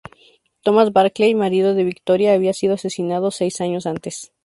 Thomas Barkley, marido de Victoria, había sido asesinado seis años antes.